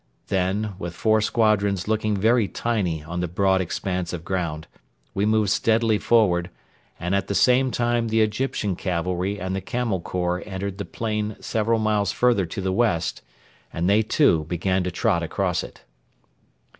Then, with four squadrons looking very tiny on the broad expanse of ground, we moved steadily forward, and at the same time the Egyptian cavalry and the Camel Corps entered the plain several miles further to the west, and they too began to trot across it.